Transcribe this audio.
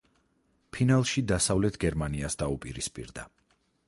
ფინალში, დასავლეთ გერმანიას დაუპირისპირდა.